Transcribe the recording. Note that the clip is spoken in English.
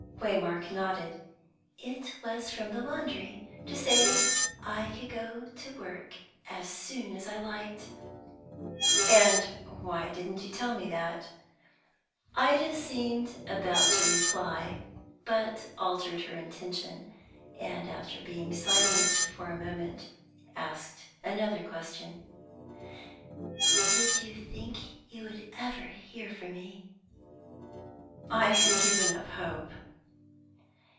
Waymark nodded. "It was from the laundry, to say I could go to work as soon as I liked." "And why didn't you tell me that?" Ida seemed about to reply, but altered her intention, and, after being silent for a moment, asked another question. "Did you think you would ever hear from me?" "I had given up hope."